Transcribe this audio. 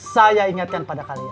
saya ingatkan pada kalian